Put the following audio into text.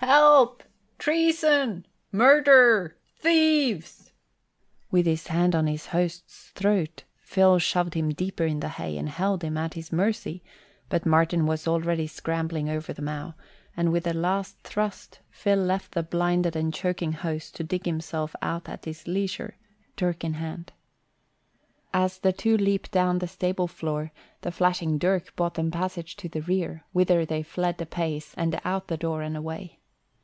"Help! Treason! Murder! Thieves!" With his hand on the host's throat, Phil shoved him deeper in the hay and held him at his mercy, but Martin was already scrambling over the mow, and with a last thrust Phil left the blinded and choking host to dig himself out at his leisure and followed, dirk in hand. As the two leaped down on the stable floor, the flashing dirk bought them passage to the rear, whither they fled apace, and out the door and away.